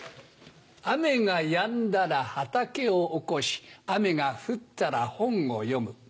雨がやんだら畑をおこし雨が降ったら本を読む。